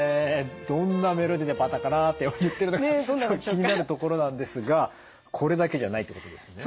どんなメロディーで「パタカラ」って言ってるのか気になるところなんですがこれだけじゃないってことですよね。